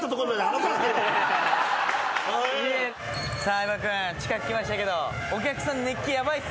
相葉君近く来ましたけど。